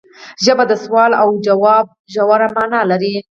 ژبه د سوال او ځواب ژوره معنی لري